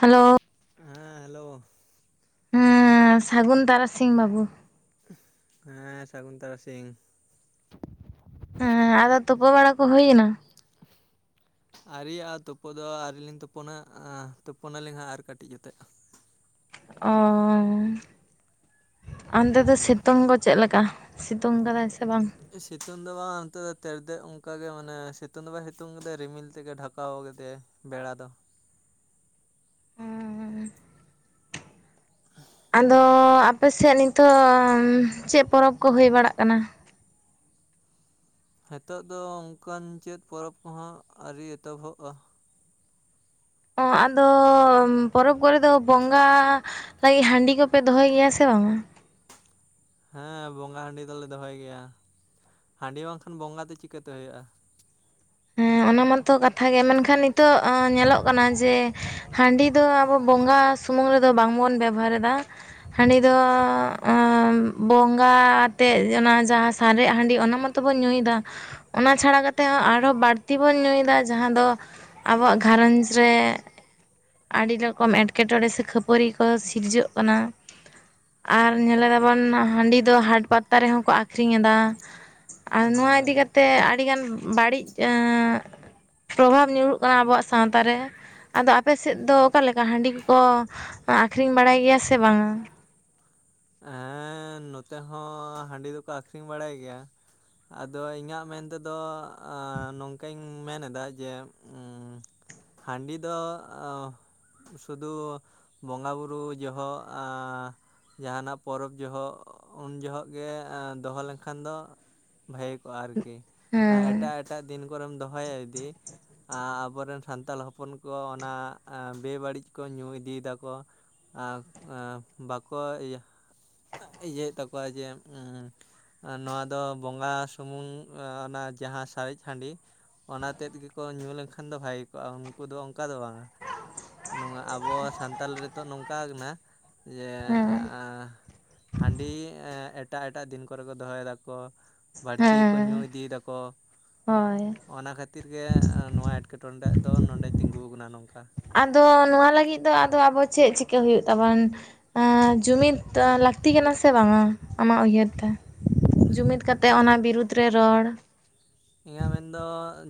Hello. ᱦᱮ hello. ᱦᱮ ᱥᱟᱹᱜᱩᱱ ᱛᱟᱨᱟᱥᱤᱝ ᱵᱟᱵᱩ᱾ ᱦᱮ ᱥᱟᱹᱜᱩᱱ ᱛᱟᱨᱟ ᱥᱤᱝ᱾ ᱦᱮ ᱟᱫᱚ ᱛᱩᱯᱳ ᱵᱟᱲᱟ ᱠᱚ ᱦᱩᱭᱱᱟ᱾ ᱟᱹᱨᱤᱭᱟᱜ-ᱟ ᱛᱩᱯᱩ ᱫᱚ ᱟᱹᱣᱨᱤ ᱞᱤᱧ ᱛᱩᱯᱩᱱᱟ ᱛᱩᱯᱳᱱᱟᱞᱤᱧ ᱦᱟᱜ ᱟᱨ ᱠᱟᱹᱴᱤᱡ ᱠᱟᱛᱮᱫ᱾ ᱚ ᱚᱱᱛᱮ ᱫᱚ ᱥᱤᱛᱩᱝ ᱠᱚ ᱪᱮᱫ ᱞᱮᱠᱟ ᱥᱤᱛᱩᱝ ᱟᱠᱟᱫᱟᱭ ᱥᱮ ᱵᱟᱝ? ᱥᱤᱛᱩᱝ ᱫᱚ ᱵᱟᱝ ᱚᱱᱛᱮ ᱫᱚ ᱛᱮᱨᱫᱮᱫ ᱚᱱᱠᱟᱜᱮ ᱢᱟᱱᱮ ᱥᱤᱛᱩᱝ ᱫᱚ ᱵᱟᱭ ᱥᱤᱛᱩᱝ ᱠᱟᱫᱟᱭ ᱨᱤᱢᱤᱞ ᱛᱮᱜᱮ ᱰᱷᱟᱠᱟᱣ ᱠᱮᱫᱮᱭᱟᱭ ᱵᱮᱲᱟ ᱫᱚ᱾ [unintelligible] ᱟᱫᱚ ᱟᱯᱮᱥᱮᱫ ᱱᱤᱛᱚᱜ ᱪᱮᱫ ᱯᱚᱨᱚᱵᱽ ᱠᱚ ᱦᱩᱭ ᱵᱟᱲᱟᱜ ᱠᱟᱱᱟ? ᱦᱤᱛᱚᱜ ᱫᱚ ᱚᱱᱠᱟᱱ ᱪᱮᱫ ᱯᱚᱨᱚᱵᱽ ᱠᱚᱦᱚᱸ ᱟᱹᱶᱨᱤ ᱮᱛᱚᱦᱚᱜ-ᱟ᱾ ᱚ ᱟᱫᱚ ᱯᱚᱨᱚᱵᱽ ᱠᱚᱨᱮ ᱫᱚ ᱵᱚᱸᱜᱟ ᱞᱟᱹᱜᱤᱫ ᱦᱟᱺᱰᱤ ᱠᱚᱯᱮ ᱫᱚᱦᱚᱭ ᱜᱮᱭᱟ ᱥᱮ ᱵᱟᱝᱟ? ᱦᱮᱸ ᱵᱚᱸᱜᱟ ᱦᱟᱺᱰᱤ ᱫᱚᱞᱮ ᱫᱚᱦᱚᱭ ᱜᱮᱭᱟ ᱦᱟᱺᱰᱤ ᱵᱟᱝᱠᱷᱟᱱ ᱵᱚᱸᱜᱟ ᱛᱮ ᱪᱤᱠᱟᱹᱛᱮ ᱦᱩᱭᱩᱜ-ᱟ᱾ ᱦᱮᱸ ᱚᱱᱟ ᱢᱟᱛᱚ ᱠᱟᱛᱷᱟ ᱜᱮ ᱢᱮᱱᱠᱷᱟᱱ ᱱᱤᱛᱚᱜ ᱧᱮᱞᱚᱜ ᱠᱟᱱᱟ ᱡᱮ ᱦᱟᱺᱰᱤ ᱫᱚ ᱟᱵᱚ ᱵᱚᱸᱜᱟ ᱥᱩᱢᱩᱝ ᱨᱮᱫᱚ ᱵᱟᱝᱵᱚᱱ ᱵᱮᱵᱚᱦᱟᱨᱮ ᱫᱟ᱾ ᱦᱟᱺᱰᱤ ᱫᱚ ᱵᱚᱸᱜᱟ ᱟᱛᱮᱫ ᱚᱱᱟ ᱡᱟᱦᱟᱸ ᱥᱟᱨᱮᱡ ᱦᱟᱺᱰᱤ ᱚᱱᱟ ᱢᱟᱛᱚ ᱛᱚ ᱵᱚᱱ ᱧᱩᱭᱫᱟ ᱚᱱᱟ ᱪᱷᱟᱲᱟ ᱠᱟᱛᱮ ᱦᱚᱸ ᱟᱨ ᱟᱨᱚ ᱵᱟᱹᱲᱛᱤ ᱵᱚᱱ ᱧᱩᱭᱮᱫᱟ ᱡᱟᱦᱟᱸ ᱫᱚ ᱟᱵᱚᱣᱟᱜ ᱜᱷᱟᱨᱚᱸᱡᱽ ᱨᱮ ᱟᱹᱰᱤ ᱨᱚᱠᱚᱢ ᱮᱴᱠᱮᱴᱚᱬᱮ ᱥᱮ ᱠᱷᱟᱹᱯᱟᱹᱨᱤ ᱠᱚ ᱥᱤᱨᱡᱟᱹᱜ ᱠᱟᱱᱟ᱾ ᱟᱨ ᱧᱮᱞ ᱫᱟᱵᱚᱱ ᱦᱟᱺᱰᱤ ᱫᱚ ᱦᱟᱴ ᱯᱟᱛᱟ ᱨᱮᱦᱚᱸ ᱠᱚ ᱟᱠᱠᱷᱨᱤᱧ ᱮᱫᱟ᱾ ᱟᱨ ᱱᱚᱣᱟ ᱤᱫᱤ ᱠᱟᱛᱮᱫ ᱟᱹᱰᱤᱜᱟᱱ ᱵᱟᱹᱲᱤᱡ ᱯᱨᱚᱵᱷᱟᱵᱽ ᱧᱩᱨᱩᱜ ᱠᱟᱱᱟ ᱟᱵᱚᱣᱟᱜ ᱥᱟᱶᱛᱟ ᱨᱮ᱾ ᱟᱫᱚ ᱟᱯᱮᱥᱮᱫ ᱫᱚ ᱚᱠᱟᱞᱮᱠᱟ ᱦᱟᱺᱰᱤ ᱠᱚᱠᱚ ᱟᱹᱠᱷᱨᱤᱧ ᱵᱟᱲᱟᱭ ᱜᱮᱭᱟ ᱥᱮ ᱵᱟᱝᱟ? ᱦᱮᱸ ᱱᱚᱛᱮ ᱦᱚ ᱦᱟᱺᱰᱤ ᱫᱚᱠᱚ ᱟᱹᱠᱷᱨᱤᱧ ᱵᱟᱲᱟᱭ ᱜᱮᱭᱟ᱾ ᱟᱫᱚ ᱤᱧᱟᱹᱜ ᱢᱮᱱ ᱛᱮᱫᱚ ᱱᱚᱝᱠᱟᱧ ᱢᱮᱱᱮᱫᱟ ᱡᱮ ᱦᱟᱺᱰᱤ ᱫᱚ ᱥᱩᱫᱷᱩ ᱵᱚᱸᱜᱟ ᱵᱩᱨᱩ ᱡᱚᱦᱚᱜ ᱡᱟᱦᱟᱱᱟᱜ ᱯᱚᱨᱚᱵᱽ ᱡᱚᱦᱚᱜ ᱩᱱ ᱡᱚᱦᱚᱜ ᱜᱮ ᱫᱚᱦᱚ ᱞᱮᱱᱠᱷᱟᱱ ᱫᱚ ᱵᱷᱟᱹᱜᱮ ᱠᱚᱜ-ᱟ ᱟᱨᱠᱤ᱾ ᱮᱴᱟᱜ ᱮᱴᱟᱜ ᱫᱤᱱ ᱠᱚᱨᱮᱢ ᱫᱚᱦᱚᱭᱟ ᱡᱩᱫᱤ ᱟᱜ ᱟᱵᱚᱨᱮᱱ ᱥᱟᱱᱛᱟᱲ ᱦᱚᱯᱚᱱ ᱠᱚ ᱚᱱᱟ ᱵᱮ-ᱵᱟᱹᱲᱤᱡ ᱠᱚ ᱧᱩ ᱤᱫᱤ ᱫᱟᱠᱚ᱾ ᱟᱜ-ᱟ ᱵᱟᱠᱚ ᱤᱭᱟᱹᱭᱮᱫ ᱛᱟᱠᱚᱣᱟ ᱡᱮ ᱱᱚᱣᱟ ᱫᱚ ᱵᱚᱸᱜᱟ ᱥᱩᱢᱩᱝ ᱚᱱᱟ ᱡᱟᱦᱟᱸ ᱥᱟᱨᱮᱡ ᱦᱟᱺᱰᱤ ᱚᱱᱟᱛᱮᱫ ᱜᱮᱠᱚ ᱧᱩ ᱞᱮᱱᱠᱷᱟᱱ ᱫᱚ ᱵᱷᱟᱜᱤ ᱠᱚᱜ-ᱟ ᱩᱱᱠᱩ ᱫᱚ ᱚᱱᱠᱟ ᱫᱚ ᱵᱟᱝᱟ ᱱᱚᱣᱟ ᱟᱵᱚ ᱥᱟᱱᱛᱟᱲ ᱨᱮᱛᱚ ᱱᱚᱝᱠᱟ ᱠᱟᱱᱟ᱾ ᱡᱮ, ᱦᱟᱺᱰᱤ ᱮᱴᱟᱜ ᱮᱴᱟᱜ ᱫᱤᱱ ᱠᱚᱨᱮ ᱠᱚ ᱫᱚᱦᱚᱭ ᱫᱟᱠᱚ᱾ ᱵᱟᱹᱲᱛᱤᱠᱚ ᱧᱩ ᱤᱫᱤᱭ ᱫᱟᱠᱚ, ᱦᱚᱭ᱾ ᱚᱱᱟ ᱠᱷᱟᱹᱛᱤᱨ ᱜᱮ ᱱᱚᱣᱟ ᱮᱴᱠᱮᱴᱚᱬᱮ ᱴᱟᱜ ᱫᱚ ᱱᱚᱰᱮ ᱛᱤᱸᱜᱩ ᱟᱠᱟᱱᱟ ᱱᱚᱝᱠᱟ᱾ ᱟᱫᱚ ᱱᱚᱣᱟ ᱞᱟᱹᱜᱤᱫ ᱫᱚ ᱟᱫᱚ ᱟᱵᱚ ᱪᱮᱫ ᱪᱤᱠᱟᱹ ᱦᱩᱭᱩᱜ ᱛᱟᱵᱚᱱᱼᱼ ᱡᱩᱢᱤᱫ ᱞᱟᱹᱠᱛᱤ ᱠᱟᱱᱟ ᱥᱮ ᱵᱟᱝᱟ ᱟᱢᱟᱜ ᱩᱭᱦᱟᱹᱨ ᱛᱮ? ᱡᱩᱢᱤᱫ ᱠᱟᱛᱮᱫ ᱚᱱᱟ ᱵᱤᱨᱩᱫᱽ ᱨᱮ ᱨᱚᱲ? ᱤᱧᱟᱹᱜ ᱢᱮᱱᱫᱚ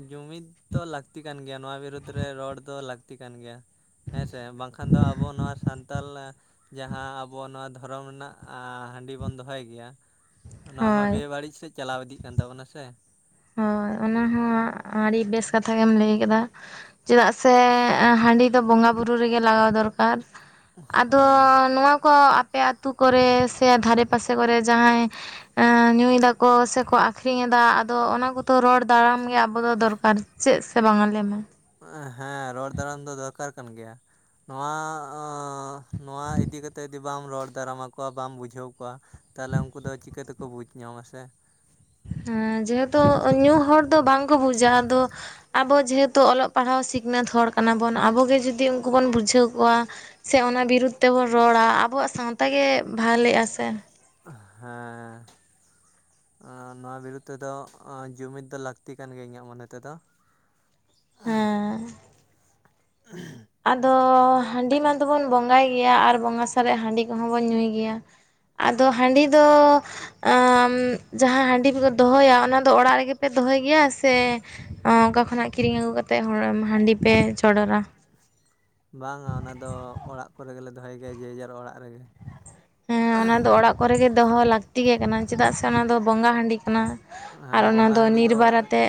ᱡᱩᱢᱤᱫ ᱫᱚ ᱞᱟᱹᱠᱛᱤ ᱠᱟᱱ ᱜᱮᱭᱟ ᱱᱚᱣᱟ ᱵᱤᱨᱩᱫᱽ ᱨᱮ ᱨᱚᱲ ᱫᱚ ᱞᱟᱹᱠᱛᱤ ᱠᱟᱱ ᱜᱮᱭᱟ᱾ ᱦᱮᱸᱥᱮ ᱵᱟᱝᱠᱷᱟᱱ ᱫᱚ ᱟᱵᱚ ᱱᱚᱣᱟ ᱥᱟᱱᱛᱟᱞ ᱡᱟᱦᱟᱸ ᱟᱵᱚ ᱱᱚᱣᱟ ᱫᱷᱚᱨᱚᱢ ᱨᱮᱱᱟᱜᱼᱼ ᱦᱟᱰᱤ ᱵᱚᱱ ᱫᱚᱦᱚᱭ ᱜᱮᱭᱟ ᱚᱱᱟ ᱢᱟ ᱵᱮᱵᱟᱹᱲᱤᱡ ᱥᱮᱫ ᱪᱟᱞᱟᱣ ᱤᱫᱤᱜ ᱠᱟᱱ ᱛᱟᱵᱚᱱᱟ ᱥᱮ ᱦᱳᱭ ᱚᱱᱟ ᱦᱚᱸ ᱟᱹᱰᱤ ᱵᱮᱥ ᱠᱟᱛᱷᱟ ᱜᱮᱢ ᱞᱟᱹᱭ ᱠᱮᱫᱟ᱾ ᱪᱮᱫᱟᱜ ᱥᱮ ᱦᱟᱺᱰᱤ ᱫᱚ ᱵᱚᱸᱜᱟᱼᱵᱩᱨᱩ ᱨᱮᱜᱮ ᱞᱟᱜᱟᱣ ᱫᱚᱨᱠᱟᱨ᱾ ᱟᱫᱚ ᱱᱚᱣᱟ ᱠᱚ ᱟᱯᱮ ᱟᱹᱛᱩ ᱠᱚᱨᱮ ᱥᱮ ᱫᱷᱟᱨᱮ ᱯᱟᱥᱮ ᱠᱚᱨᱮ ᱡᱟᱦᱟᱸᱭᱼᱼ ᱧᱩᱭ ᱫᱟᱠᱚ ᱥᱮᱠᱚ ᱟᱠᱷᱨᱤᱧ ᱮᱫᱟ ᱫᱚ ᱚᱱᱟ ᱠᱚᱫᱚ ᱨᱚᱲ ᱫᱟᱲᱟᱢ ᱜᱮ ᱟᱵᱚᱫᱚ ᱫᱚᱨᱠᱟᱨ ᱪᱮᱫ ᱥᱮ ᱵᱟᱝ -ᱟ ᱞᱮᱢᱮ? ᱦᱮᱸ ᱨᱚᱲ ᱫᱟᱬᱟᱱ ᱫᱚ ᱫᱚᱨᱠᱟᱨ ᱠᱟᱱ ᱜᱮᱭᱟ᱾ ᱱᱚᱣᱟ ᱱᱚᱣᱟ ᱤᱫᱤ ᱠᱟᱛᱮ ᱡᱩᱫᱤ ᱵᱟᱢ ᱨᱚᱲ ᱫᱟᱨᱟᱢᱟᱠᱚᱣᱟ ᱵᱟᱢ ᱵᱩᱡᱷᱟᱹᱣ ᱠᱚᱣᱟᱼᱼ ᱛᱟᱞᱦᱮ ᱩᱱᱠᱩ ᱫᱚ ᱪᱤᱠᱟᱹ ᱛᱮᱠᱚ ᱵᱩᱡᱽ ᱧᱟᱢ ᱟᱥᱮ᱾ ᱦᱮᱸ ᱡᱮᱦᱮᱛᱩ ᱧᱩ ᱦᱚᱲ ᱫᱚ ᱵᱟᱝᱠᱚ ᱵᱩᱡᱟ ᱟᱫᱚᱼᱼ ᱟᱵᱚ ᱡᱮᱦᱮᱛᱩ ᱚᱞᱚᱜ ᱯᱟᱲᱦᱟᱣ ᱥᱤᱠᱷᱱᱟᱹᱛ ᱦᱚᱲ ᱠᱟᱱᱟ ᱵᱚᱱ ᱟᱵᱚᱜᱮ ᱡᱩᱫᱤ ᱩᱱᱠᱩ ᱵᱚᱱ ᱵᱩᱡᱷᱟᱹᱣ ᱠᱚᱣᱟᱼᱼ ᱥᱮ ᱚᱱᱟ ᱵᱤᱨᱩᱫᱽ ᱛᱮᱵᱚᱱ ᱨᱚᱲᱟ ᱟᱵᱚᱣᱟᱜ ᱥᱟᱶᱛᱟ ᱜᱮ ᱵᱷᱟᱞᱮᱜᱼᱟ ᱥᱮᱼᱼ ᱦᱮᱸᱻ ᱱᱚᱣᱟ ᱵᱤᱨᱩᱫᱽ ᱛᱮᱫᱚ ᱡᱩᱢᱤᱫ ᱫᱚ ᱞᱟᱹᱠᱛᱤ ᱠᱟᱱ ᱜᱮᱭᱟ ᱤᱧᱟᱜ ᱢᱚᱱᱮ ᱛᱮᱫᱚ᱾ [unintelligible] [unintelligible] ᱟᱫᱚ ᱦᱟᱺᱰᱤ ᱢᱟ ᱫᱚᱵᱚᱱ ᱵᱚᱸᱜᱟᱭ ᱜᱮᱭᱟ ᱟᱨ ᱵᱚᱸᱜᱟ ᱥᱟᱨᱮᱫ ᱦᱟᱺᱰᱤ ᱠᱚᱦᱚᱸ ᱵᱚᱱ ᱧᱩᱭ ᱜᱮᱭᱟ? ᱟᱫᱚ ᱦᱟᱺᱰᱤ ᱫᱚᱼᱼ ᱮᱢ ᱡᱟᱦᱟᱸ ᱦᱟᱺᱰᱤ ᱠᱚᱠᱚ ᱫᱚᱦᱚᱭᱟ ᱚᱱᱟ ᱫᱚ ᱚᱲᱟᱜ ᱨᱮᱜᱮ ᱯᱮ ᱫᱚᱦᱚᱭ ᱜᱮᱭᱟ ᱥᱮᱼᱼ ᱚᱠᱟ ᱠᱷᱚᱱᱟᱜ ᱠᱤᱨᱤᱧ ᱟᱹᱜᱩ ᱠᱟᱛᱮᱫ ᱦᱟᱺᱰᱤ ᱯᱮ ᱪᱚᱰᱚᱨᱟ? ᱵᱟᱝᱟ ᱚᱱᱟ ᱫᱚ ᱚᱲᱟᱜ ᱠᱚᱨᱮ ᱜᱮᱞᱮ ᱫᱚᱦᱚᱭ ᱜᱮᱭᱟ ᱡᱮᱡᱟᱨ ᱚᱲᱟᱜ ᱨᱮᱜᱮ᱾ ᱦᱮᱸ ᱚᱱᱟ ᱫᱚ ᱚᱲᱟᱜ ᱠᱚᱨᱮ ᱜᱮ ᱫᱚᱦᱚ ᱞᱟᱹᱠᱛᱤ ᱜᱮ ᱠᱟᱱᱟ ᱪᱮᱫᱟᱜ ᱥᱮ ᱚᱱᱟ ᱫᱚ ᱵᱚᱸᱜᱟ ᱦᱟᱺᱰᱤ ᱠᱟᱱᱟ᱾ ᱟᱨ ᱚᱱᱟ ᱫᱚ ᱱᱤᱨᱵᱟᱨᱮ ᱛᱮᱼᱼ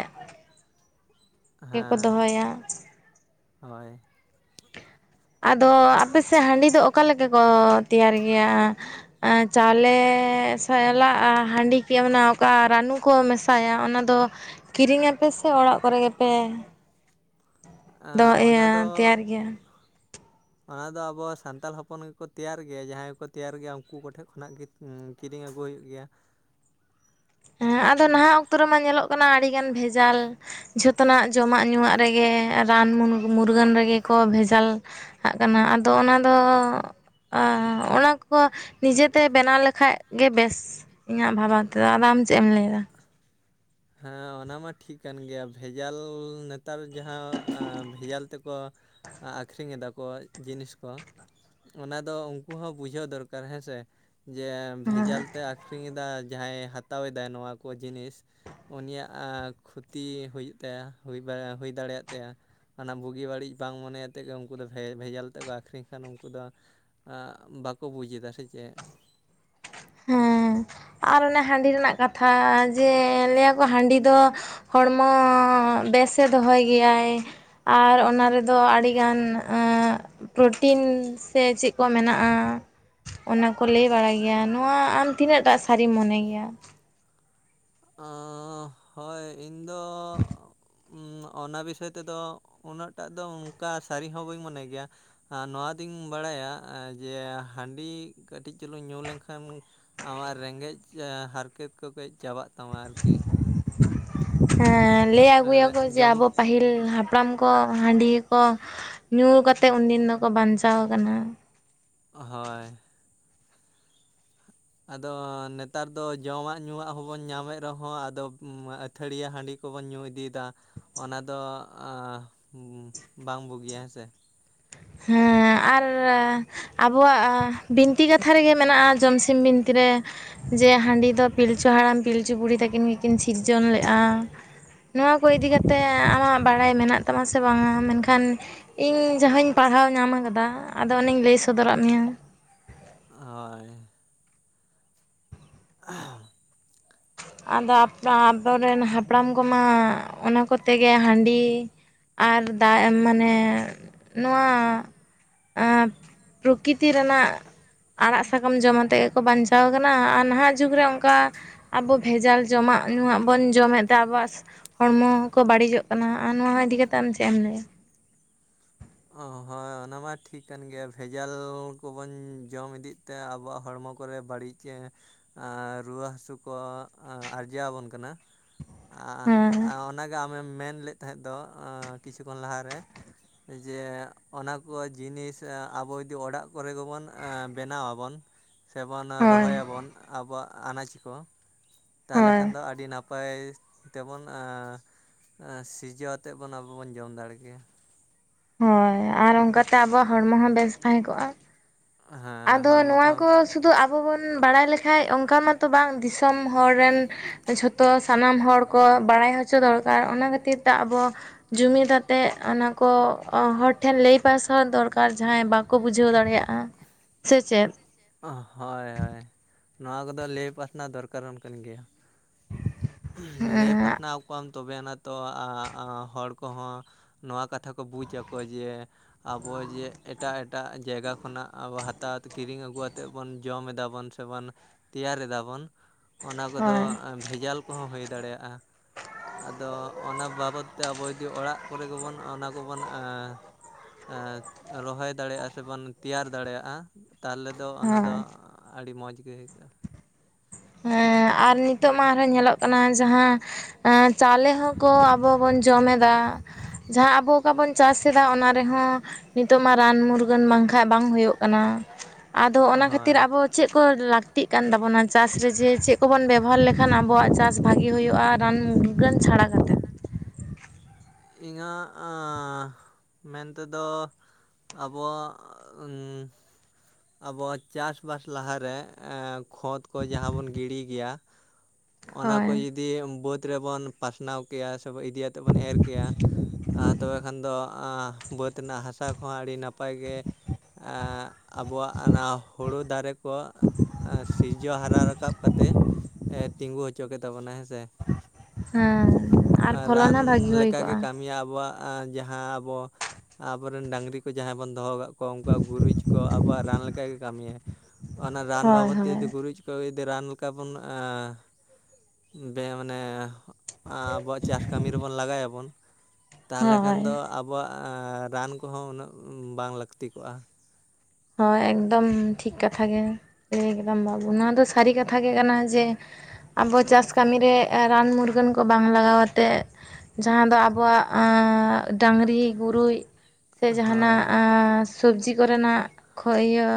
ᱦᱮᱸ ᱦᱳᱭ ᱟᱫᱚ ᱟᱯᱮᱥᱮᱫ ᱦᱟᱺᱰᱤ ᱫᱚ ᱚᱠᱟ ᱞᱮᱠᱟ ᱠᱚ ᱛᱮᱭᱟᱨ ᱜᱮᱭᱟ? ᱪᱟᱣᱞᱮ ᱥᱟᱞᱟᱜᱼᱟ ᱦᱟᱺᱰᱤ ᱠᱤ ᱢᱟᱱᱮ ᱚᱠᱟ ᱨᱟᱱᱩᱼᱼ ᱠᱚ ᱢᱮᱥᱟᱭᱟ ᱚᱱᱟ ᱫᱚ ᱠᱤᱨᱤᱧ ᱟᱯᱮ ᱥᱮ ᱚᱲᱟᱜ ᱠᱚᱨᱮ ᱜᱮᱯᱮᱼᱼ ᱫᱚᱦ ᱤᱭᱟᱹ ᱛᱮᱭᱟᱨ ᱜᱮᱭᱟ? ᱚᱱᱟ ᱫᱚ ᱟᱵᱚ ᱥᱟᱱᱛᱟᱞ ᱦᱚᱯᱚᱱ ᱜᱮᱠᱚ ᱛᱮᱭᱟᱨ ᱜᱮᱭᱟ ᱡᱟᱦᱟᱸᱭ ᱠᱚ ᱛᱮᱭᱟᱨ ᱜᱮᱭᱟ ᱩᱱᱠᱩ ᱠᱚᱴᱷᱮᱱ ᱠᱷᱚᱱᱟᱜ ᱜᱮᱼᱼ ᱠᱤᱨᱤᱧ ᱟᱹᱜᱩ ᱦᱩᱭᱩᱜ ᱜᱮᱭᱟ᱾ ᱦᱮᱸ ᱟᱫᱚ ᱱᱟᱦᱟᱜ ᱚᱠᱛᱚ ᱨᱮᱢᱟ ᱧᱮᱞᱚᱜ ᱠᱟᱱᱟ ᱟᱹᱰᱤᱜᱟᱱ ᱵᱷᱮᱡᱟᱞᱼᱼ ᱡᱷᱚᱛᱚᱱᱟᱜ ᱡᱚᱢᱟᱜ ᱧᱩᱣᱟᱜ ᱨᱮᱜᱮ ᱨᱟᱱ ᱢᱩᱨᱜᱟᱹᱱ ᱨᱮᱜᱮ ᱠᱚ ᱵᱷᱮᱡᱟᱞᱼᱼ ᱦᱟᱜ ᱠᱟᱱᱟ ᱟᱫᱚ ᱚᱱᱟᱫᱚᱼᱼ ᱚᱱᱟ ᱠᱚ ᱱᱤᱡᱮᱛᱮ ᱵᱮᱱᱟᱣ ᱞᱮ ᱠᱷᱟᱡ ᱜᱮ ᱵᱮᱥ? ᱤᱧᱟᱹᱜ ᱵᱷᱟᱵᱟ ᱛᱮᱫᱚ ᱟᱫᱚ ᱟᱢ ᱪᱮᱫ ᱮᱢ ᱞᱟᱹᱭᱮᱫᱟ? ᱦᱮᱸ ᱚᱱᱟ ᱢᱟ ᱴᱷᱤᱠ ᱠᱟᱱ ᱜᱮᱭᱟ ᱵᱷᱮᱡᱟᱞ ᱱᱮᱛᱟᱨ ᱡᱟᱦᱟᱸ ᱵᱷᱮᱡᱟᱞ ᱛᱮᱠᱚᱼᱼ ᱟᱠᱷᱨᱤᱧ ᱮᱟ ᱠᱚ ᱡᱤᱱᱤᱥ ᱠᱚᱼᱼ ᱚᱱᱟ ᱫᱚ ᱩᱱᱠᱩ ᱦᱚᱸ ᱵᱩᱡᱷᱟᱹᱣ ᱫᱚᱨᱠᱟᱨ ᱦᱮᱸ ᱥᱮ᱾ ᱡᱮ ᱵᱷᱮᱡᱟᱞ ᱛᱮ ᱟᱠᱷᱨᱤᱧ ᱮᱫᱟ ᱡᱟᱦᱟᱸᱭ ᱦᱟᱛᱟᱣ ᱮᱫᱟᱭ ᱱᱚᱣᱟ ᱠᱚ ᱡᱤᱱᱤᱥ᱾ ᱩᱱᱤᱭᱟᱜ ᱠᱷᱚᱛᱤ ᱦᱩᱭᱩᱜ ᱛᱟᱭᱟ ᱦᱩᱭ ᱫᱟᱲᱮᱭᱟᱜ ᱛᱟᱭᱟ, ᱚᱱᱟ ᱵᱩᱜᱤ ᱵᱟᱹᱲᱤᱡ ᱵᱟᱝ ᱢᱚᱱᱮ ᱟᱛᱮᱫ ᱜᱮ ᱩᱱᱠᱩ ᱫᱚ ᱵᱷᱮ ᱵᱷᱮᱡᱟᱞ ᱛᱮᱠᱚ ᱟᱠᱷᱨᱤᱧ ᱫᱟ ᱱᱩᱝᱠᱩ ᱫᱚᱼᱼ ᱟᱜ ᱵᱟᱠᱚ ᱵᱩᱡᱽ ᱮᱫᱟ ᱥᱮ ᱪᱮᱫ? ᱦᱮᱸ ᱟᱨ ᱚᱱᱮ ᱦᱟᱺᱰᱤ ᱨᱮᱱᱟᱜ ᱠᱟᱛᱷᱟ ᱡᱮ ᱞᱟᱹᱭᱟ ᱠᱚ ᱦᱟᱺᱰᱤ ᱫᱚ ᱦᱚᱲᱢᱚᱻ ᱵᱮᱥ ᱮ ᱫᱚᱦᱚᱭ ᱜᱮᱭᱟᱭ, ᱟᱨ ᱚᱱᱟ ᱨᱮᱫᱚ ᱟᱹᱰᱤᱜᱟᱱ ᱟᱸᱜ ᱯᱨᱚᱴᱤᱱ ᱥᱮ ᱪᱮᱜ ᱠᱚ ᱢᱮᱱᱟᱜᱼᱟ, ᱚᱱᱟ ᱠᱚ ᱞᱟᱹᱭ ᱵᱟᱲᱟᱭ ᱜᱮᱭᱟ ᱱᱚᱜ, ᱚᱶᱟ ᱟᱢ ᱛᱤᱱᱟᱹᱜ ᱴᱟᱜ ᱥᱟᱨᱤᱢ ᱢᱚᱱᱮ ᱜᱮᱭᱟ? ᱦᱚᱸᱻᱦᱳᱭ ᱤᱧᱫᱚᱻ ᱩᱸᱻ ᱚᱱᱟ ᱵᱤᱥᱚᱭ ᱛᱮᱫᱚ ᱩᱱᱟᱹᱜ ᱴᱟᱜ ᱫᱚ ᱚᱱᱠᱟ ᱥᱟᱹᱨᱤ ᱦᱚᱸ ᱵᱟᱹᱧ ᱢᱚᱱᱮ ᱜᱮᱭᱟ᱾ ᱟᱨ ᱱᱚᱣᱟᱛᱩᱧ ᱵᱟᱲᱟᱭᱟ, ᱡᱮ ᱦᱟᱺᱰᱤ ᱠᱟᱹᱴᱤᱡ ᱪᱩᱞᱩᱝ ᱧᱩᱸ ᱞᱮᱝᱠᱷᱟᱱ ᱟᱢᱟᱜ ᱨᱮᱸᱜᱮᱡᱽ ᱦᱟᱨᱠᱮᱛ ᱠᱚ ᱠᱟᱹᱡ ᱪᱟᱵᱟᱜ ᱛᱟᱢᱟ ᱦᱟᱞᱠᱮ᱾ [inaudible] ᱦᱮᱸ ᱞᱟᱹᱭ ᱟᱹᱜᱩᱭᱟ ᱠᱚ ᱡᱮ ᱟᱵᱚ ᱯᱟᱹᱦᱤᱞ ᱦᱟᱯᱲᱟᱢ ᱠᱚ ᱦᱟᱺᱰᱤ ᱜᱮᱠᱚ ᱧᱩᱸ ᱠᱟᱛᱮᱜ ᱩᱱᱫᱤᱱ ᱫᱚᱠᱚ ᱵᱟᱧᱪᱟᱣ ᱟᱠᱟᱱᱟ᱾ ᱚᱦ, ᱦᱳᱭ᱾ ᱟᱫᱚ ᱱᱮᱛᱟᱨ ᱫᱚ ᱡᱚᱢᱟᱜ ᱧᱩᱸᱣᱟᱜ ᱦᱚᱸᱵᱚᱱ ᱧᱟᱢᱮᱫ ᱨᱮᱦᱚᱸ ᱟᱫᱚᱻᱢ ᱟᱹᱛ ᱛᱷᱟᱹᱲᱤᱭᱟᱹ ᱦᱟᱺᱰᱤ ᱠᱚᱵᱚᱱ ᱧᱩᱸ ᱤᱫᱤᱭᱮᱫᱟ, ᱚᱱᱟ ᱫᱚ ᱟᱸᱻᱦᱩᱸ ᱵᱟᱝ ᱵᱩᱜᱤᱭᱟ ᱦᱮᱸᱥᱮ? ᱦᱮᱸ ᱟᱨᱻᱨᱮ ᱟᱵᱚᱣᱟᱜ ᱟ ᱵᱤᱱᱛᱤ ᱠᱟᱛᱷᱟ ᱨᱮᱜᱮ ᱢᱮᱱᱟᱜ-ᱟ ᱡᱚᱢᱥᱤᱢ ᱵᱤᱱᱛᱤ ᱨᱮ ᱡᱮ ᱦᱟᱺᱰᱤ ᱫᱚ ᱯᱤᱞᱪᱩ ᱦᱟᱲᱟᱢ ᱯᱤᱞᱪᱩ ᱵᱩᱲᱤ ᱛᱟᱹᱠᱤᱱ ᱜᱮᱠᱤᱱ ᱥᱤᱨᱡᱚᱱ ᱞᱮᱜᱼᱟ, ᱱᱚᱣᱟ ᱠᱚ ᱤᱫᱤ ᱠᱟᱛᱮ ᱟᱢᱟᱜ ᱵᱟᱲᱟᱭ ᱢᱮᱱᱟᱜ ᱛᱟᱢᱟ ᱥᱮ ᱵᱟᱝ ᱼᱟ, ᱢᱮᱱᱠᱷᱟᱱ ᱤᱧ ᱡᱟᱦᱟᱧ ᱯᱟᱲᱦᱟᱣ ᱧᱟᱢ ᱟᱠᱟᱫᱟ ᱟᱫᱚ ᱚᱱᱮᱧ ᱞᱟᱹᱭ ᱥᱚᱫᱚᱨᱟᱜ ᱢᱮᱭᱟ᱾ ᱚᱻᱦᱳᱭ᱾ [inaudible] ᱟᱫᱚ ᱟᱯᱱᱟ ᱟᱵᱚᱨᱮᱱ ᱦᱟᱯᱲᱟᱢ ᱠᱚᱢᱟ ᱚᱱᱟ ᱠᱚᱛᱮ ᱜᱮ ᱦᱟᱺᱰᱤ ᱟᱨ ᱫᱟᱜ ᱮᱢ ᱢᱟᱱᱮ, ᱱᱚᱣᱟ ᱟᱸ ᱯᱩᱨᱩᱠᱤᱛᱤ ᱨᱮᱱᱟᱜ, ᱟᱲᱟᱜ ᱥᱟᱠᱟᱢ ᱡᱚᱢ ᱟᱛᱮᱜ ᱜᱮᱠᱚ ᱵᱟᱧᱪᱟᱣ ᱟᱠᱟᱱᱟ ᱟᱨ ᱱᱟᱦᱟᱜ ᱡᱩᱜᱽ ᱨᱮ ᱚᱸᱠᱟ ᱟᱵᱚ ᱵᱷᱮᱡᱟᱞ ᱡᱚᱢᱟᱜ ᱧᱩᱣᱟᱜ ᱵᱚᱱ ᱡᱚᱢᱮᱫ ᱛᱮ ᱟᱵᱚᱣᱟᱜ ᱦᱚᱲᱢᱚ ᱦᱚᱸᱠᱚ ᱵᱟᱹᱲᱤᱡᱚᱜ ᱠᱟᱱᱟ ᱟᱨ ᱱᱚᱣᱟ ᱦᱚᱸ ᱤᱫᱤ ᱠᱟᱛᱮ ᱟᱢ ᱪᱮᱫ ᱮᱢ ᱞᱟᱹᱭᱟ? ᱚᱦ, ᱦᱳᱭ ᱚᱱᱟ ᱢᱟ ᱴᱷᱤᱠ ᱠᱟᱱ ᱜᱮᱭᱟ, ᱵᱷᱮᱡᱟᱞ ᱠᱚᱵᱚᱱ ᱡᱚᱢ ᱤᱫᱤᱜ ᱛᱮ ᱟᱵᱚᱣᱟᱜ ᱦᱚᱲᱢᱚ ᱠᱚᱨᱮ ᱵᱟᱹᱲᱤᱡ ᱮ ᱟᱸᱨ ᱨᱩᱣᱟᱹ ᱦᱟᱹᱥᱩ ᱠᱚ ᱟᱸ ᱟᱨᱡᱟᱣ ᱟᱵᱚᱱ ᱠᱟᱱᱟ᱾ ᱟᱸᱜ ᱟᱸ ᱚᱱᱟᱜᱮ ᱟᱢᱮᱢ ᱢᱮᱱ ᱞᱮᱫ ᱛᱟᱦᱮᱸᱫ ᱫᱚ ᱠᱤᱪᱷᱩ ᱠᱷᱚᱱ ᱞᱟᱦᱟᱨᱮ, ᱡᱮ ᱚᱱᱟ ᱠᱚᱣᱟᱜ ᱡᱤᱱᱤᱥ ᱮᱸ ᱟᱵᱚ ᱡᱩᱫᱤ ᱚᱲᱟᱜ ᱠᱚᱨᱮ ᱜᱮᱵᱚᱱ ᱮᱸ ᱵᱮᱱᱟᱣ ᱟᱵᱚᱱ, ᱥᱮᱵᱚᱱ ᱨᱚᱦᱚᱭᱟᱵᱚᱱ ᱟᱵᱚᱣᱟᱜ ᱟᱱᱟᱡᱽ ᱠᱚ, ᱛᱟᱦᱮᱞᱮ ᱠᱷᱟᱱ ᱫᱚ ᱟᱹᱰᱤ ᱱᱟᱯ- ᱯᱟᱭ ᱛᱮᱵᱚᱱ ᱟᱸᱻᱮᱸᱻᱥᱤᱨᱤᱡᱟᱹᱣ ᱟᱛᱮᱫ ᱵᱚᱱ ᱟᱵᱚ ᱵᱚᱱ ᱡᱚᱢ ᱫᱟᱲᱮ ᱠᱮᱭᱟ᱾ ᱦᱳᱭ! ᱟᱨ ᱚᱸᱠᱟᱛᱮ ᱟᱵᱚᱣᱟᱜ ᱦᱚᱲᱢᱚ ᱦᱚᱸ ᱵᱮᱥ ᱛᱟᱦᱮᱸ ᱠᱚᱜ-ᱟ, ᱟᱫᱚ ᱱᱚᱣᱟ ᱠᱚ ᱥᱩᱫᱷᱩ ᱟᱵᱚ ᱵᱚᱱ ᱵᱟᱲᱟᱭ ᱞᱮᱠᱷᱟᱡ ᱚᱱᱠᱟ ᱢᱟᱛᱚ ᱵᱟᱝ, ᱫᱤᱥᱚᱢ ᱦᱚᱲ ᱨᱮᱱ ᱡᱚᱛᱚ ᱛᱚ ᱥᱟᱱᱟᱢ ᱦᱚᱲ ᱠᱚ ᱵᱟᱲᱟᱭ ᱦᱚᱪᱚ ᱫᱚᱨᱠᱟᱨ ᱚᱱᱟ ᱠᱷᱟᱹᱛᱤᱨ ᱛᱮ ᱟᱵᱚ ᱡᱩᱢᱤᱫ ᱟᱛᱮᱫ ᱚᱱᱟ ᱠᱚ ᱦᱚᱲ ᱴᱷᱮᱱ ᱞᱟᱹᱭ ᱯᱟᱭᱥᱟ ᱫᱚᱨᱠᱟᱨ ᱡᱟᱦᱟᱸᱭ ᱵᱟᱠᱚ ᱵᱩᱡᱷᱟᱹᱣ ᱫᱟᱲᱮᱭᱟᱜ-ᱟ, ᱥᱮ ᱪᱮᱫ? ᱚᱦ! ᱦᱳᱭ ᱦᱳᱭ ᱱᱚᱣᱟ ᱠᱚᱫᱚ ᱞᱟᱹᱭ ᱯᱟᱥᱱᱟᱣ ᱫᱚᱨᱠᱟᱨ ᱚᱱᱠᱟᱱ ᱜᱮᱭᱟ᱾ [inaudible] ᱞᱟᱹᱭ ᱯᱟᱥᱱᱟᱣ ᱟᱠᱚᱣᱟᱢ ᱛᱚᱵᱮ ᱮᱱᱟ ᱛᱚ ᱟᱸ ᱟᱸ ᱦᱚᱲ ᱠᱚᱦᱚᱸ ᱱᱚᱣᱟ ᱠᱟᱛᱷᱟ ᱠᱚ ᱵᱩᱡᱽ ᱟᱠᱚ ᱡᱮ ᱟᱵᱚ ᱡᱮ ᱮᱴᱟᱜ ᱮᱴᱟᱜ ᱡᱟᱭᱜᱟ ᱠᱷᱚᱱᱟᱜ ᱟᱵᱚ ᱦᱟᱛᱟᱣ ᱟᱛᱮ ᱠᱤᱨᱤᱧ ᱟᱹᱜᱩᱣᱟᱛ- ᱛᱮᱜ ᱵᱚᱱ ᱡᱚᱢ ᱮᱫᱟ ᱵᱚᱱ ᱥᱮᱵᱚᱱ ᱛᱮᱭᱟᱨ ᱮᱫᱟ ᱵᱚᱱ, ᱚᱱᱟ ᱠᱚᱫᱚ ᱮᱢ- ᱵᱷᱮᱡᱟᱞ ᱠᱚᱦᱚᱸ ᱦᱩᱭ ᱫᱟᱲᱮᱭᱟᱜ-ᱟ᱾ ᱟᱫᱚᱻᱜ ᱚᱱᱟ ᱵᱟᱵᱚᱫ ᱛᱮ ᱟᱵᱚ ᱭᱩᱫᱤ ᱚᱲᱟᱜ ᱠᱚᱨᱮ ᱜᱮᱵᱚᱱ ᱚᱱᱟ ᱠᱚᱵᱚᱱ ᱮᱸᱦ ᱮᱸ ᱨᱚᱦᱚᱭ ᱫᱟᱲᱮᱭᱟᱜ-ᱟ, ᱥᱮᱵᱚᱱ ᱛᱮᱭᱟᱨ ᱫᱟᱲᱮᱭᱟᱜ-ᱟ ᱛᱟᱦᱮᱞᱮ ᱫᱚ ᱚᱱᱟ ᱫᱚ ᱟᱹᱰᱤ ᱢᱚᱡᱽ ᱜᱮ ᱟᱹᱭᱠᱟᱹᱜ-ᱟ ᱦᱮᱸ ᱟᱨ ᱱᱤᱛᱚᱜ ᱢᱟ ᱟᱨ ᱦᱚᱸ ᱧᱮᱞᱚᱜ ᱠᱟᱱᱟ ᱡᱟᱦᱟᱸ ᱪᱟᱣ ᱞᱮ ᱦᱚᱸ ᱠᱚ ᱟᱵᱚ ᱵᱚᱱ ᱡᱚᱢ ᱮᱫᱟ᱾ ᱡᱟᱦᱟᱸ ᱟᱵᱚ ᱚᱠᱟ ᱵᱚᱱ ᱪᱟᱥ ᱮᱫᱟ ᱚᱱᱟ ᱨᱮ ᱦᱚᱸ ᱱᱤᱛᱚᱜ ᱢᱟ ᱨᱟᱱ ᱢᱩᱨ ᱜᱟᱹᱱ ᱵᱟᱝ ᱠᱷᱟᱡ ᱵᱟᱝ ᱦᱳᱭᱳᱜ ᱠᱟᱱᱟ᱾ ᱟᱫᱚ ᱚᱱᱟ ᱠᱷᱟᱹᱛᱤᱨ ᱟᱵᱚ ᱪᱮᱫ ᱠᱚ ᱞᱟᱹᱠᱛᱤᱜ ᱠᱟᱱ ᱛᱟᱵᱚ ᱱᱟ ᱪᱟᱥ ᱨᱮ ᱡᱮ ᱪᱮᱫ ᱠᱚᱵᱚᱱ ᱵᱮᱵᱚ ᱦᱟᱨ ᱞᱮᱠᱷᱟᱱ ᱠᱷᱟᱱ ᱟᱵᱚᱣᱟᱜ ᱪᱟᱥ ᱵᱷᱟᱜᱤ ᱦᱩᱭᱩᱜᱼᱟ᱾ ᱨᱟᱱ ᱢᱩᱨᱜᱟᱹᱱ ᱪᱷᱟᱲᱟ ᱠᱟᱛᱮᱫ᱾ ᱤᱧᱟᱹᱜ ᱢᱮᱱ ᱛᱮ ᱫᱚ ᱟᱵᱚᱣᱟᱜ ᱟᱵᱚ ᱣᱟᱜ ᱪᱟᱥ ᱵᱟᱥ ᱞᱟᱦᱟ ᱨᱮ ᱠᱷᱚᱛ ᱠᱚ ᱡᱟᱦᱟᱸ ᱵᱚᱱ ᱜᱤᱲᱤ ᱜᱮᱭᱟ ᱾ ᱚᱱᱟ ᱠᱚ ᱡᱩᱫᱤ ᱵᱟᱹᱫᱽ ᱨᱮᱵᱚᱱ ᱯᱟᱥ ᱱᱟᱣ ᱠᱮᱭᱟ ᱥᱮ ᱤᱫᱤ ᱟᱛᱮᱫ ᱵᱚᱱ ᱮᱨ ᱠᱮᱭᱟ᱾ ᱟᱨ ᱛᱚ ᱵᱮ ᱠᱷᱟᱱ ᱫᱚ ᱵᱟᱹᱫᱽ ᱨᱮᱱᱟᱜ ᱦᱟᱥᱟ ᱠᱚ ᱦᱚᱸ ᱟᱹᱰᱤ ᱱᱟᱯᱟᱭ ᱜᱮ ᱟᱵᱚᱣᱟᱜ ᱚᱱᱟ ᱦᱳᱲᱳ ᱫᱟᱨᱮ ᱠᱚ ᱥᱤᱨᱡᱟᱹᱣ ᱦᱟᱨᱟ ᱨᱟᱠᱟᱵ ᱠᱟᱛᱮᱫ᱾ ᱛᱤᱸᱜᱩ ᱦᱚ ᱪᱚ ᱠᱮᱛᱟ ᱵᱚᱱᱟᱭ ᱦᱮᱸ ᱥᱮ ᱨᱟᱱ ᱞᱮᱠᱟ ᱜᱮ ᱠᱟᱹᱢᱤ ᱭᱟ ᱟᱵᱚ ᱣᱟᱜ ᱡᱟᱦᱟᱸ ᱟᱵᱚ ᱟᱵᱚ ᱨᱮᱱ ᱰᱟᱹᱝ ᱨᱤ ᱠᱚ ᱡᱟᱦᱟᱸᱭ ᱵᱚᱱ ᱫᱚ ᱦᱚ ᱠᱟᱜ ᱠᱚᱣᱟ ᱩᱱᱠᱩ ᱣᱟᱜ ᱜᱩᱨᱤᱡ ᱟᱠᱚᱭᱟᱜ ᱟᱵᱚᱣᱟᱜ ᱨᱟᱱ ᱞᱮᱠᱟ ᱜᱮ ᱠᱟᱹᱢᱤ ᱭᱟ ᱚᱱᱟ ᱨᱟᱱ ᱵᱟᱵᱚᱛ ᱛᱮ ᱡᱩᱫᱤ ᱜᱩᱨᱤᱡᱽ ᱟᱠᱚ ᱜᱮ ᱡᱩᱫᱤ ᱨᱟᱱ ᱞᱮᱠᱟ ᱵᱚᱱ ᱵᱮ ᱢᱟᱱᱮ ᱟᱵᱚᱣᱟᱜ ᱪᱟᱥ ᱠᱟᱹᱢᱤ ᱨᱮ ᱵᱚᱱ ᱞᱟᱜᱟᱣ ᱟᱵᱚᱱ ᱛᱟᱦᱞᱮ ᱠᱷᱟᱱ ᱫᱚ ᱟᱵᱚ ᱟᱵᱚ ᱣᱟᱜ ᱨᱟᱱ ᱠᱚ ᱦᱚᱸ ᱩᱱᱟᱹᱜ ᱵᱟᱝ ᱞᱟᱹᱠᱛᱤ ᱠᱚᱜᱼᱟ᱾ ᱦᱳᱭ ᱮᱠᱫᱚᱢ ᱴᱷᱤᱠ ᱠᱟᱛᱷᱟ ᱜᱮ ᱮᱠᱫᱟᱢ ᱵᱟᱹᱵᱩ ᱱᱚᱣᱟ ᱫᱚ ᱥᱟᱹᱨᱤ ᱠᱟᱛᱷᱟᱜ ᱜᱮ ᱠᱟᱱᱟ ᱡᱮ ᱟᱵᱚ ᱪᱟᱥ ᱠᱟᱹᱢᱤ ᱨᱮ ᱨᱟᱱ ᱢᱩᱨ ᱜᱟᱹᱱ ᱠᱚ ᱵᱟᱝ ᱞᱟᱜᱟᱣ ᱟᱛᱮᱫ ᱡᱟᱦᱟᱸ ᱫᱚ ᱟᱵᱚ ᱣᱟᱜ ᱰᱟᱝᱨᱤ ᱜᱩᱨᱩᱡᱽ ᱥᱮ ᱡᱟᱦᱟ ᱱᱟᱜ ᱥᱚᱵᱽᱡᱤ ᱠᱚᱨᱮ ᱱᱟᱜ ᱠᱷᱚᱱ ᱤᱭᱟᱹ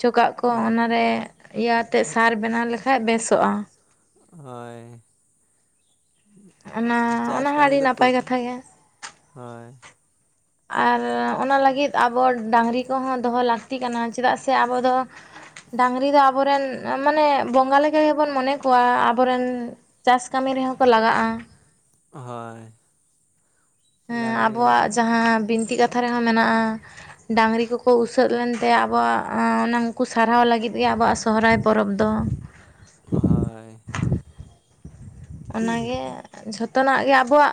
ᱪᱚᱠᱟᱜ ᱠᱚ ᱚᱱᱟ ᱨᱮ ᱤᱭᱟᱹ ᱟᱛᱮᱫ ᱥᱟᱨ ᱵᱮᱱᱟᱣ ᱞᱮ ᱠᱷᱟᱡ ᱵᱟᱹᱭ ᱥᱟᱹᱜᱼᱟ ᱦᱳᱭ ᱪᱟᱥ ᱠᱟᱹᱢᱤ ᱫᱚ ᱦᱳᱭ ᱟᱨ ᱚᱱᱟ ᱞᱟᱹᱜᱤᱫ ᱟᱵᱚ ᱰᱟᱝᱨᱤ ᱠᱚᱦᱚᱸ ᱫᱚ ᱦᱚᱸ ᱞᱟᱹᱠᱛᱤ ᱠᱟᱱᱟ ᱪᱮᱫᱟᱜ ᱥᱮ ᱟᱵᱚ ᱫᱚ ᱰᱟᱝᱨᱤ ᱫᱚ ᱟᱵᱚ ᱨᱮᱱ ᱢᱟᱱᱮ ᱵᱚᱸᱜᱟ ᱞᱮᱠᱟ ᱜᱮ ᱵᱚᱱ ᱢᱚᱱᱮ ᱠᱚᱣᱟ ᱟᱵᱚ ᱨᱮᱱ ᱪᱟᱥ ᱠᱟᱹᱢᱤ ᱨᱮ ᱦᱚᱸ ᱠᱚ ᱞᱟᱜᱟᱜᱼᱟ ᱦᱳᱭ ᱦᱮᱸ ᱟᱵᱚ ᱣᱟᱜ ᱡᱟᱦᱟᱸ ᱵᱤᱱᱛᱤ ᱠᱟᱛᱷᱟ ᱨᱮ ᱦᱚᱸ ᱢᱮᱱᱟᱜᱼᱟ᱾ ᱰᱟᱝᱨᱤ ᱠᱚ ᱠᱚ ᱩᱥᱟᱹᱜ ᱞᱮᱱ ᱛᱮ ᱟᱵᱚᱣᱟᱜ ᱚᱱᱟ ᱩᱱᱠᱩ ᱥᱟᱨᱦᱟᱣ ᱞᱟᱹᱜᱤᱫ ᱜᱮ ᱟᱵᱚᱣᱟᱜ ᱥᱚᱦᱚ ᱨᱟᱭ ᱯᱚᱨᱚᱵᱽ ᱫᱚ᱾ ᱦᱳᱭ ᱚᱱᱟ ᱜᱮ ᱡᱷᱚᱛᱚ ᱱᱟᱜ ᱜᱮ ᱟᱵᱚᱣᱟᱜ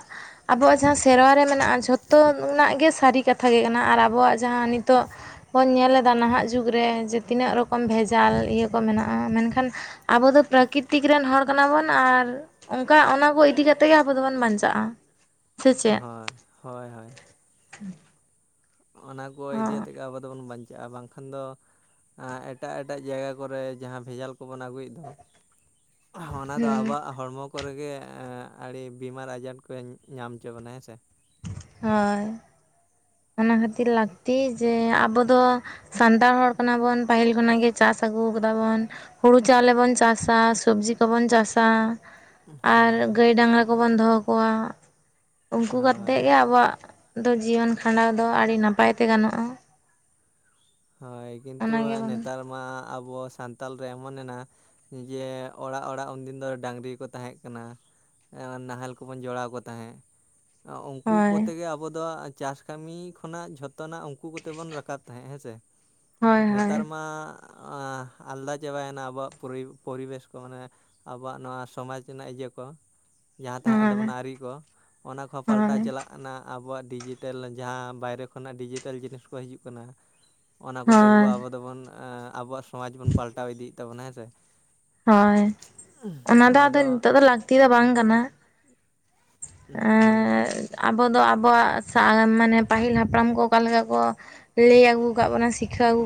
ᱟᱵᱚᱣᱟᱜ ᱡᱟᱦᱟᱸ ᱥᱮᱨᱣᱟ ᱨᱮ ᱢᱮᱱᱟᱜᱼᱟ᱾ ᱡᱷᱚᱛᱚ ᱨᱮᱱᱟᱜ ᱜᱮ ᱥᱟᱹᱨᱤ ᱠᱟᱛᱷᱟ ᱜᱮ ᱠᱟᱱᱟ ᱟᱨ ᱟᱵᱚᱣᱟᱜ ᱡᱟᱦᱟᱸ ᱱᱤᱛᱚᱜ ᱵᱚᱱ ᱧᱮᱞ ᱮᱫᱟ ᱱᱟᱦᱟᱜ ᱡᱩᱜᱽ ᱨᱮ ᱡᱮ ᱛᱤᱱᱟᱹᱜ ᱨᱚᱠᱚᱢ ᱵᱷᱮᱡᱟᱞ ᱤᱭᱟᱹ ᱠᱚ ᱢᱮᱱᱟᱜᱼᱟ᱾ ᱢᱮᱱ ᱠᱷᱟᱱ ᱟᱵᱚ ᱫᱚ ᱯᱮᱨᱟ ᱠᱤᱛᱤᱠ ᱨᱮᱱ ᱦᱚᱲ ᱠᱟᱱᱟ ᱵᱚᱱ ᱟᱨ ᱚᱱᱠᱟ ᱚᱱᱟ ᱠᱚ ᱤᱫᱤ ᱠᱟᱛᱮ ᱜᱮ ᱟᱵᱚ ᱫᱚᱵᱚᱱ ᱵᱟᱧᱪᱟᱜᱼᱟ᱾ ᱦᱳᱭ ᱦᱳᱭ ᱦᱳᱭ ᱚᱱᱟ ᱠᱚ ᱤᱫᱤ ᱠᱟᱛᱮᱫ ᱜᱮ ᱟᱵᱚ ᱫᱚᱵᱚᱱ ᱵᱟᱧᱪᱟᱜᱼᱟ᱾ ᱵᱟᱝ ᱠᱷᱟᱱ ᱫᱚ ᱮᱴᱟᱜ ᱮᱴᱟᱜ ᱡᱟᱭ ᱜᱟ ᱠᱚᱨᱮ ᱡᱟᱦᱟᱸ ᱵᱷᱮ ᱡᱟᱞ ᱠᱚ ᱵᱚᱱ ᱟᱹᱜᱩᱭᱮᱫ ᱫᱚ ᱚᱱᱟ ᱫᱚ ᱟᱵᱚᱣᱟᱜ ᱦᱚᱲᱢᱚ ᱠᱚᱨᱮ ᱜᱮ ᱟᱹᱰᱤ ᱵᱤᱢᱟᱨ ᱟᱡᱟᱱᱴ ᱠᱚ ᱧᱟᱢ ᱦᱚ ᱪᱚ ᱵᱚᱱᱟ ᱦᱮᱸ ᱥᱮ ᱦᱳᱭ ᱚᱱᱟ ᱠᱷᱟᱹᱛᱤᱨ ᱞᱟᱹᱠᱛᱤ ᱡᱮ ᱟᱵᱚ ᱫᱚ ᱥᱟᱱᱛᱟᱲ ᱦᱚᱲ ᱠᱟᱱᱟ ᱵᱚᱱ ᱯᱟᱹᱦᱤᱞ ᱠᱷᱚ ᱱᱟᱜ ᱜᱮ ᱪᱟᱥ ᱟᱹᱜᱩ ᱠᱟᱫᱟ ᱵᱚᱱ ᱦᱳᱲᱳ ᱪᱟᱣᱞᱮ ᱵᱚᱱ ᱪᱟᱥ-ᱟ ᱥᱚᱵᱽᱡᱤ ᱠᱚᱵᱚᱱ ᱪᱟᱥ-ᱟ ᱟᱨ ᱜᱟᱹᱭ ᱰᱟᱝᱨᱟ ᱠᱚᱵᱚᱱ ᱫᱚ ᱦᱚ ᱠᱚᱣᱟ ᱩᱱᱠᱩ ᱠᱟᱛᱮᱫ ᱜᱮ ᱟᱵᱚᱣᱟᱜ ᱫᱚ ᱡᱤᱭᱚᱱ ᱠᱷᱟᱸᱰᱟᱣ ᱫᱚ ᱟᱹᱰᱤ ᱱᱟᱯᱟᱭ ᱛᱮ ᱜᱟᱱᱚᱜ-ᱟ᱾ ᱦᱳᱭ ᱠᱤᱱᱛᱩ ᱱᱮᱛᱟᱨ ᱢᱟ ᱟᱵᱚ ᱥᱟᱱᱛᱟᱞ ᱨᱮ ᱮᱢᱚᱦᱮᱱᱟ ᱡᱮ ᱚᱲᱟᱜ ᱚᱲᱟᱜ ᱩᱱᱫᱤᱱ ᱫᱚ ᱰᱟᱝᱨᱤ ᱠᱚ ᱛᱟᱦᱮᱸᱫ ᱠᱟᱱᱟ᱾ ᱱᱟᱦᱮᱞ ᱠᱚᱵᱚᱱ ᱡᱚᱲᱟᱣ ᱠᱚ ᱛᱟᱦᱮᱸᱫ ᱩᱱᱠᱩ ᱠᱚ ᱛᱮ ᱜᱮ ᱟᱵᱚ ᱫᱚ ᱪᱟᱥ ᱠᱟᱹᱢᱤ ᱠᱷᱚᱱᱟᱜ ᱡᱷᱚᱛᱚᱱᱟᱜ ᱩᱱᱠᱩ ᱠᱚᱛᱮ ᱵᱚᱱ ᱨᱟᱠᱟᱵ ᱛᱟᱦᱮᱸᱜ ᱦᱮᱸ ᱥᱮ ᱱᱮᱛᱟᱨ ᱢᱟ ᱟᱞᱟᱫᱟ ᱪᱟᱵᱟᱭᱮᱱᱟ ᱟᱵᱚᱣᱟᱜ ᱯᱚᱨᱤᱵᱮᱥ ᱠᱚ ᱢᱟᱱᱮ ᱟᱵᱚᱣᱟᱜ ᱱᱚᱣᱟ ᱥᱚᱢᱟᱡ ᱨᱮᱱᱟᱜ ᱤᱭᱟᱹ ᱠᱚ ᱡᱟᱦᱟᱸ ᱛᱟᱦᱮᱸ ᱠᱟᱱᱛᱟ ᱵᱚᱱᱟ ᱟᱹᱨᱤ ᱠᱚ ᱚᱱᱟ ᱠᱚᱦᱚᱸ ᱯᱟᱞᱴᱟᱣ ᱪᱟᱞᱟᱜ ᱟᱠᱟᱱᱟ᱾ ᱟᱵᱚᱣᱟᱜ ᱰᱤᱡᱤᱴᱮᱞ ᱡᱟᱦᱟᱸ ᱵᱟᱭᱨᱮ ᱠᱷᱚᱱᱟᱜ ᱰᱤᱡᱤᱴᱮᱞ ᱡᱤᱱᱤᱥ ᱠᱚ ᱦᱤᱡᱩᱜ ᱠᱟᱱᱟ᱾ ᱚᱱᱟ ᱠᱚᱛᱮ ᱜᱮ ᱟᱵᱚ ᱫᱚᱵᱚᱱ ᱟᱵᱚᱣᱟᱜ ᱥᱚᱢᱟᱡ ᱵᱚᱱ ᱯᱟᱞᱴᱟᱣ ᱤᱫᱤᱭᱮᱫ ᱛᱟᱵᱚᱱᱟ ᱦᱮᱸ ᱥᱮ? ᱦᱳᱭ ᱚᱱᱟ ᱫᱚ ᱟᱫᱚ ᱱᱤᱛᱚᱜ ᱫᱚ ᱞᱟ ᱛᱤ ᱫᱚ ᱵᱟᱝ ᱠᱟᱱᱟ᱾ ᱟᱵᱚ ᱫᱚ ᱟᱵᱚᱣᱟᱜ ᱢᱟᱱᱮ ᱯᱟᱹᱦᱤᱞ ᱦᱟᱯᱲᱟᱢ ᱠᱚ ᱚᱠᱟᱞᱮᱠᱟ ᱠᱚ ᱞᱟᱹᱭ ᱟᱹᱜᱩ ᱟᱠᱟᱫ ᱵᱚᱱᱟ ᱥᱤᱠᱷᱟᱹᱣ ᱟᱹᱜᱩ